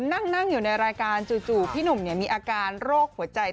นั่งอยู่ในรายการจู่พี่หนุ่มมีอาการโรคหัวใจ